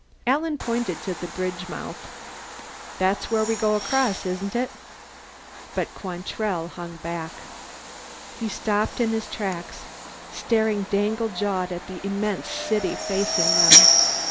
Alan pointed to the bridge mouth. "That's where we go across, isn't it?" But Quantrell hung back. He stopped in his tracks, staring dangle jawed at the immense city facing them.